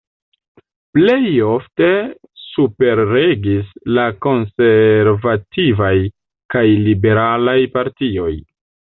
Plej ofte superregis la konservativaj kaj liberalaj partioj.